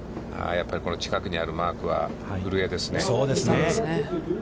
やっぱりこの近くにあるマークは古江ですね。